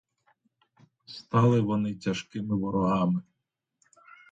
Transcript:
Стали вони тяжкими ворогами.